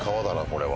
これは。